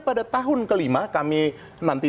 pada tahun kelima kami nanti